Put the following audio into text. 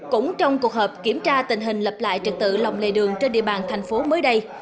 cũng trong cuộc họp kiểm tra tình hình lập lại trật tự lòng lề đường trên địa bàn thành phố mới đây